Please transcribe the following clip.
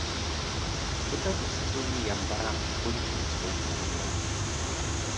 Po této sezóně Jan Barák ukončil svojí kariéru.